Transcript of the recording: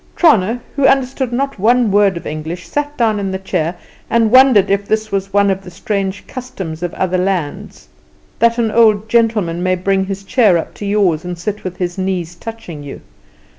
Trana, who understood not one word of English, sat down in the chair and wondered if this was one of the strange customs of other lands, that an old gentleman may bring his chair up to yours, and sit with his knees touching you.